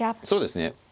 そうですね